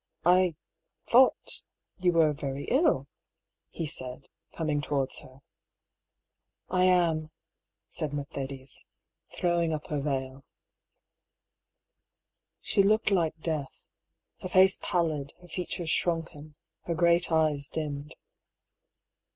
" I thought — you were very ill," he said, coming towards her. " I am," said Mercedes, throwing up her veil. She certainly looked like death : her face pallid, her features sunken, her great eyes dimmed.